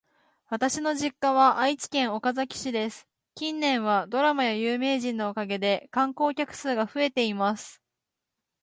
私の実家は愛知県岡崎市です。近年はドラマや有名人のおかげで観光客数が増えています。